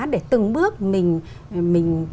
để từng bước mình